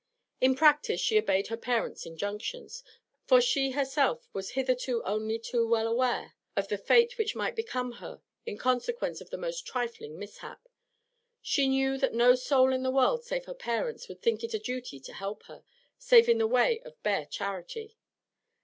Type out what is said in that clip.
In practice she obeyed her parents' injunctions, for she herself was hitherto only too well aware of the fate which might come upon her in consequence of the most trifling mishap; she knew that no soul in the world save her parents would think it a duty to help her, save in the way of bare charity.